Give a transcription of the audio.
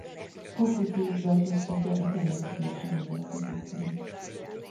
Konfuciusz bölcsessége egy tanácsülésen mutatkozik meg.